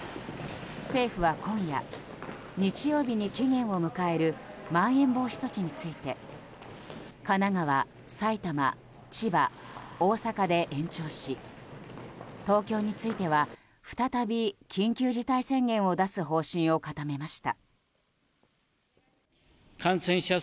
政府は今夜日曜日に期限を迎えるまん延防止措置について神奈川、埼玉、千葉大阪で延長し東京については再び緊急事態宣言を出す方針を固めました。